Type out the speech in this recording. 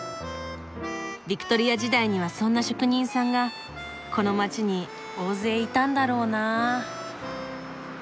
ビクトリア時代にはそんな職人さんがこの街に大勢いたんだろうな。